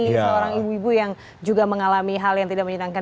seorang ibu ibu yang juga mengalami hal yang tidak menyenangkan